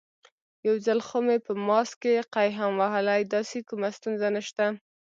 یو ځل خو مې په ماسک کې قی هم وهلی، داسې کومه ستونزه نشته.